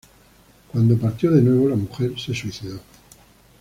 Cuando partió de nuevo, la mujer se suicidó.